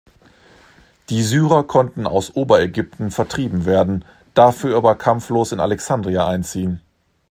Die Syrer konnten aus Oberägypten vertrieben werden, dafür aber kampflos in Alexandria einziehen.